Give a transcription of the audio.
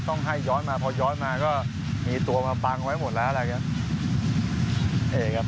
ต้องให้ย้อนมาพอย้อนมาก็มีตัวมาปางไว้หมดแล้วแหละครับ